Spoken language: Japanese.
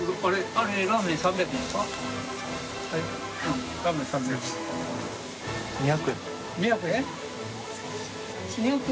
ラーメン３００円。